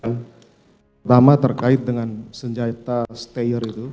pertama terkait dengan senjata stayer itu